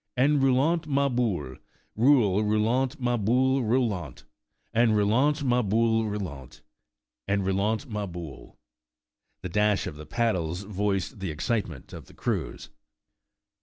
En roulant, ma boule, Roule, roulant, ma boule roulant. En roulant, ma boule roulant, En roulant ma boule." The dash of the paddles voiced the excitement of the crews.